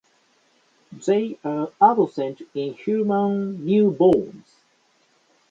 They are absent in human newborns.